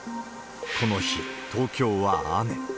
この日、東京は雨。